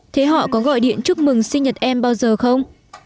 thế họ có gọi điện chúc mừng sinh nhật em bao giờ không